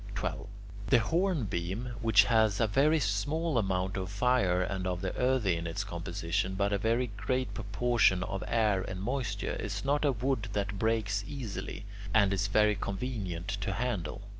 12. The hornbeam, which has a very small amount of fire and of the earthy in its composition, but a very great proportion of air and moisture, is not a wood that breaks easily, and is very convenient to handle.